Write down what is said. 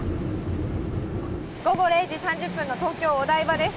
午後０時３０分の東京・お台場です。